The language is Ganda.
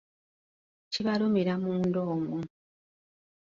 Kibalumira munda omwo